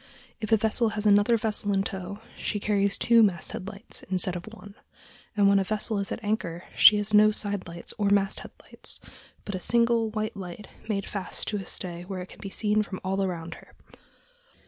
If a vessel has another vessel in tow, she carries two masthead lights instead of one; and when a vessel is at anchor she has no side lights or masthead light, but a single white light made fast to a stay where it can be seen from all around her.